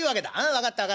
分かった分かった。